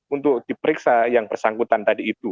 untuk diperiksa yang bersangkutan tadi itu